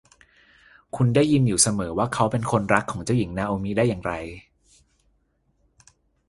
คุณได้ยินอยู่เสมอว่าเขาเป็นคนรักของเจ้าหญิงนาโอมิได้อย่างไร